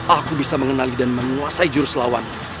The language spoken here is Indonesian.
aku bisa mengenali dan menguasai jurus lawan